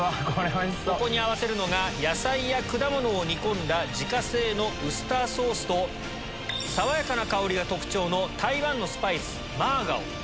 ここに合わせるのが野菜や果物を煮込んだ自家製のウスターソースと爽やかな香りが特徴の台湾のスパイス。